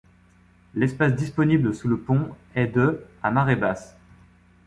L'espace disponible sous le pont est de à marée basse.